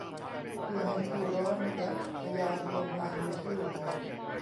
เพื่อให้ผู้ร้องและพยานลงลายมือชื่อ